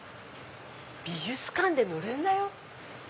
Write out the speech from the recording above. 美術館でのれんだよ。